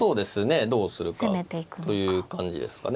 どうするかという感じですかね。